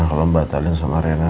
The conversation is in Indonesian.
kalau mbak talin sama rena